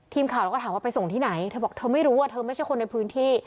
ทีมข่าวเราก็ถามว่าไปส่งที่ไหนเธอบอกเธอไม่รู้ว่าเธอไม่ใช่คนในพื้นที่